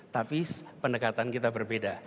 tapi pendekatan kita berbeda